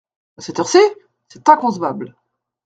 À cette heure-ci ! c’est inconcevable.